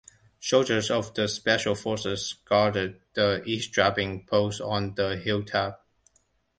Soldiers of the Special Forces guarded the eavesdropping post on the hilltop.